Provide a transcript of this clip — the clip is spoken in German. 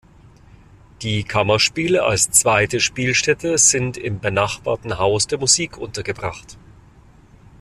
Die Kammerspiele als zweite Spielstätte sind im benachbarten Haus der Musik untergebracht.